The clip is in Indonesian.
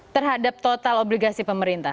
terhadap total obligasi pemerintah